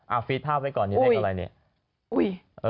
อ่าฟีชภาพไว้ก่อนเลขอะไรเนี่ย